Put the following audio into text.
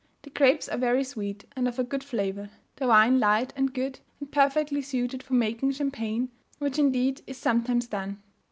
The grapes are very sweet, and of a good flavour; the wine light and good, and perfectly suited for making champagne, which indeed is sometimes done.